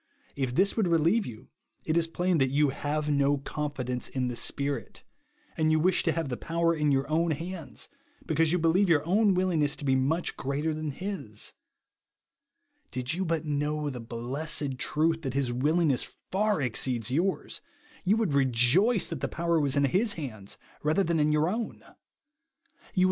If this would relieve you, it is plain that you have no confidence in the Spirit; and you wish to have the power in your own hands, because you believe your own willingness to be much greater than his. Did you but know the blessed truth, that his willingness far exceeds yours, you v/ould rejoice that the power was in his hands rather than in your own. You would M 2 ] oS rilE WANT OP POWER TO BELIEVE.